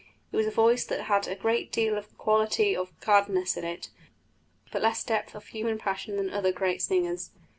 It was a voice that had a great deal of the quality of gladness in it, but less depth of human passion than other great singers.